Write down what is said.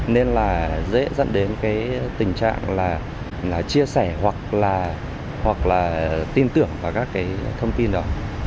nên dễ dẫn đến tình trạng chia sẻ hoặc tin tưởng vào các thông tin đó